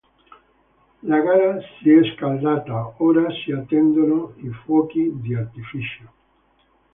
La gara si è scaldata: ora si attendono i fuochi di artificio.